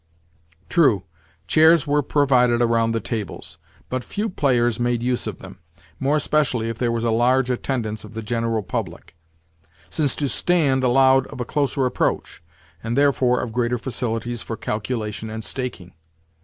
True, chairs were provided around the tables, but few players made use of them—more especially if there was a large attendance of the general public; since to stand allowed of a closer approach; and, therefore, of greater facilities for calculation and staking.